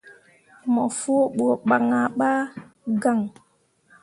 Mo fu ɓu ban ah ɓa gaŋ.